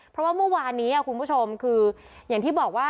เพราะว่าเมื่อวานนี้คุณผู้ชมคืออย่างที่บอกว่า